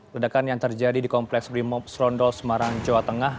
ledakan yang terjadi di kompleks brimob serondol semarang jawa tengah